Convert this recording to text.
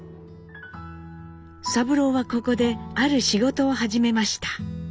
三郎はここである仕事を始めました。